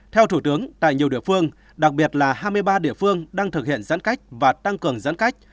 theo thủ tướng tại nhiều địa phương đặc biệt là hai mươi ba địa phương đang thực hiện giãn cách và tăng cường giãn cách